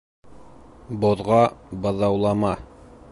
Боҙға быҙаулама.